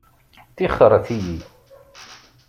Tixxṛet-iyi!